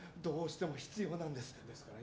どうしても必要なんです。